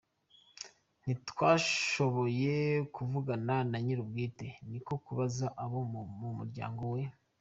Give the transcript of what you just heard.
Ntitwashoboye kuvugana na nyiri ubwite, niko kubaza abo mu mulyango we.